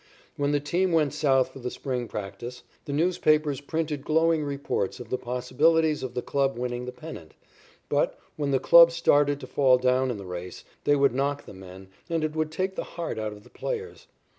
When the team went south for the spring practice, the newspapers printed glowing reports of the possibilities of the club winning the pennant, but, when the club started to fall down in the race, they would knock the men, and it would take the heart out of the players.